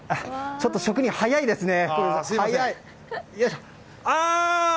ちょっと職人、早いですね。